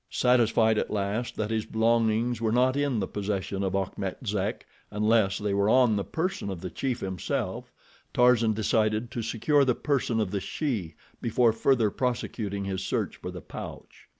Satisfied at last that his belongings were not in the possession of Achmet Zek, unless they were on the person of the chief himself, Tarzan decided to secure the person of the she before further prosecuting his search for the pouch.